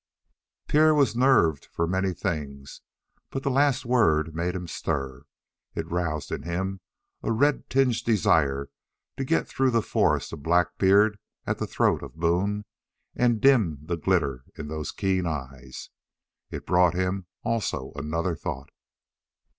Pierre was nerved for many things, but the last word made him stir. It roused in him a red tinged desire to get through the forest of black beard at the throat of Boone and dim the glitter of those keen eyes. It brought him also another thought.